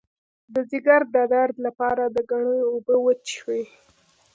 د ځیګر د درد لپاره د ګنیو اوبه وڅښئ